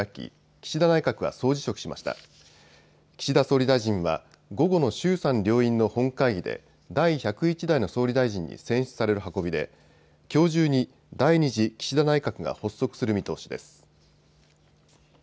岸田総理大臣は午後の衆参両院の本会議で第１０１代の総理大臣に選出される運びできょう中に第２次岸田内閣が発足する見通しです。